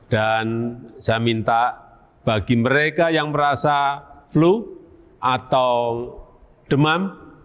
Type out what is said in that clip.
dan saya minta bagi mereka yang merasa flu atau demam